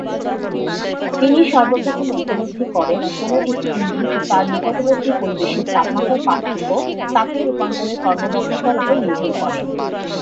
তিনিই সর্বপ্রথম উপলব্ধি করেন, কোনো একটি ইঞ্জিন ও তার নিকটবর্তী পরিবেশের তাপমাত্রার পার্থক্য তাপীয় রূপান্তরের কর্মদক্ষতার উপর নির্ভর করে।